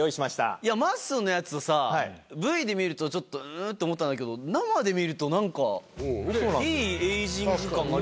いやまっすーのやつさＶＴＲで見るとちょっとうんって思ったんだけど生で見るとなんかいいエージング感がありますよね。